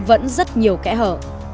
vẫn rất nhiều kẽ hở